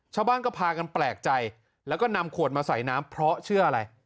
ชาวบ้านก็พากันแปลกใจแล้วก็นำขวดมาใส่น้ำเพราะเชื่ออะไร